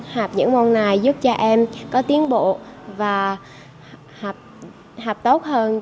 học những môn này giúp cho em có tiến bộ và học tốt hơn